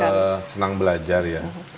iya saya itu senang belajar ya